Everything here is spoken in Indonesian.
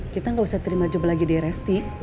kita gak usah terima job lagi di rst